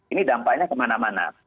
ini dampaknya kemana mana